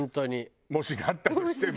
もしなったとしても。